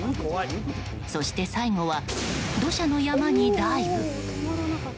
そして最後は、土砂の山にダイブ。